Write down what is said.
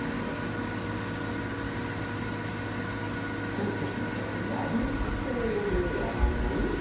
コロッケさんのこのやりそうでやらない。